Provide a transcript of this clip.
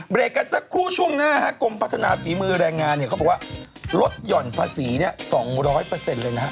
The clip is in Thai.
เบรกกันสักครู่ช่วงหน้าค่ะกรมพัฒนาศีลมือแรงงานเขาบอกว่ารถหย่อนฝาศรี๒๐๐เลยนะครับ